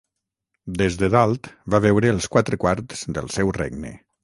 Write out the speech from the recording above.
Des de dalt, va veure els quatre quarts del seu regne.